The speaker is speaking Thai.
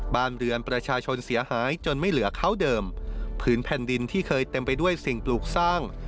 บ้านเรือนประชาชนเสียหายจนไม่เหลือเข้าเดิมพื้นแผ่นดินที่เคยเต็มไปด้วยสิ่งปลูกสร้าง